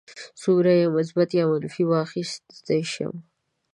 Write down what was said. څومره یې مثبت یا منفي واخیستی شم.